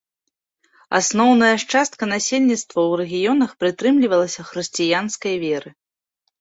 Асноўная ж частка насельніцтва ў рэгіёнах прытрымлівалася хрысціянскай веры.